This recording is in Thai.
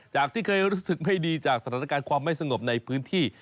ที่เคยรู้สึกไม่ดีจากสถานการณ์ความไม่สงบในพื้นที่